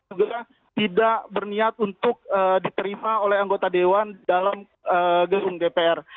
juga tidak berniat untuk diterima oleh anggota dewan dalam gedung dpr